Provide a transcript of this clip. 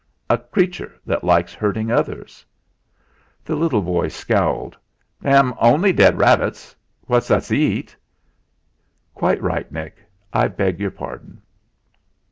"A creature that likes hurting others." The little boy scowled. "They'm only dead rabbets, what us eats." "Quite right, Nick. I beg your pardon."